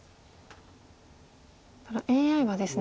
ただＡＩはですね